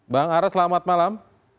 bang ara selamat malam